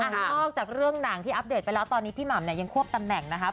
นอกจากเรื่องหนังที่อัปเดตไปแล้วตอนนี้พี่หม่ำเนี่ยยังควบตำแหน่งนะครับ